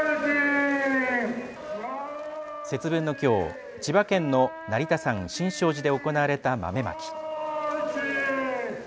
節分のきょう、千葉県の成田山新勝寺で行われた豆まき。